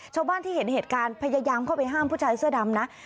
ชาวบ้านที่เห็นเหตุการณ์พยายามเข้าไปห้ามผู้ชายเสื้อดำนะ